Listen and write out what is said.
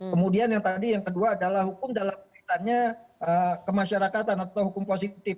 kemudian yang tadi yang kedua adalah hukum dalam kaitannya kemasyarakatan atau hukum positif